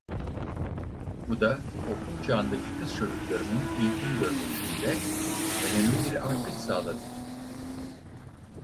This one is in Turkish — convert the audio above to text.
Bu da okul çağındaki kız çocuklarının eğitim görmesinde önemli bir artış sağladı.